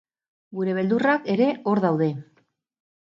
Gure beldurrak ere hor daude.